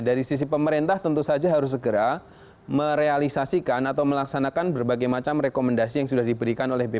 dari sisi pemerintah tentu saja harus segera merealisasikan atau melaksanakan berbagai macam rekomendasi yang sudah diberikan oleh bpn